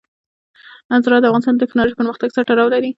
زراعت د افغانستان د تکنالوژۍ پرمختګ سره تړاو لري.